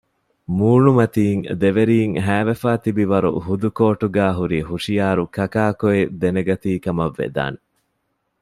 މޫނުމަތީން ދެވެރީން ހައިވެފައި ތިބި ވަރު ހުދުކޯޓުގައި ހުރި ހުޝިޔާރު ކަކާކޮއި ދެނެގަތީ ކަމަށް ވެދާނެ